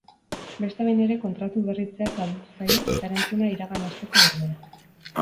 Beste behin ere kontratu berritzeaz galdetu zaio eta erantzuna iragan asteko berbera.